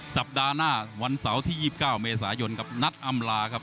สัปดาห์หน้าวันเสาร์ที่๒๙เมษายนกับนัดอำลาครับ